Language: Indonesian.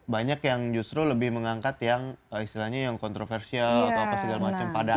banyak yang justru lebih mengangkat yang istilahnya yang kontroversial atau apa segala macam